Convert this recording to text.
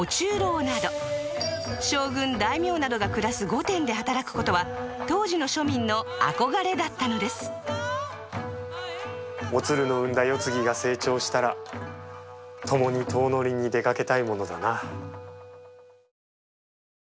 将軍大名などが暮らす御殿で働く事は当時の庶民の憧れだったのですお鶴の産んだ世継ぎが成長したら共に遠乗りに出かけたいものだな。